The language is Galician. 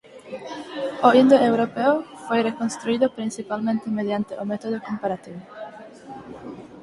O indoeuropeo foi reconstruído principalmente mediante o método comparativo.